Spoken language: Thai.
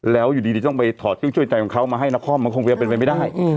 แล้วอยู่ดีต้องไปถอดเครื่องช่วยใจของเขามาให้นครมันคงจะเป็นไปไม่ได้